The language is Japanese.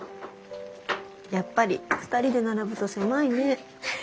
やっぱり二人で並ぶと狭いね。